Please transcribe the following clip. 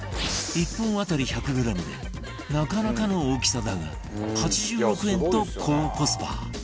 １本当たり１００グラムでなかなかの大きさだが８６円と高コスパ